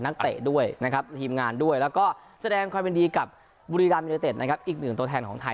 เตะด้วยนะครับทีมงานด้วยแล้วก็แสดงความยินดีกับบุรีรัมยูเนเต็ดนะครับอีกหนึ่งตัวแทนของไทย